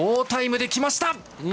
好タイムで来ました。